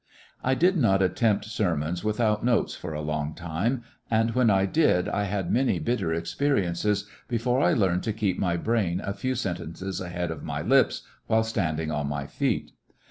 ''Notwith I did not attempt sermons without notes s an mg ^^^^^^^^ time, and when I did I had many bitter experiences before I learned to keep my brain a few sentences ahead of my lips while standing on my feet.